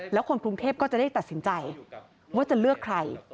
แล้วคนกรุงเทพก็จะได้ตัดสินใจว่าจะเลือกใคร